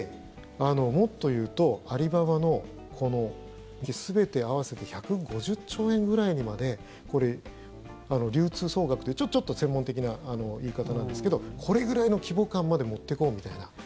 数年後には年間、色んな取引全て合わせて１５０兆円ぐらいにまで流通総額というちょっと専門的な言い方なんですけどこれぐらいの規模感まで持っていこうみたいな。